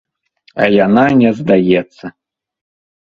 А яна не здаецца.